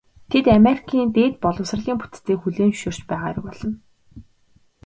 Тэд Америкийн дээд боловсролын бүтцийг хүлээн зөвшөөрч байгаа хэрэг болно.